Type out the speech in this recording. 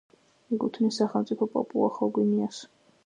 ეკუთვნის სახელმწიფო პაპუა-ახალ გვინეას.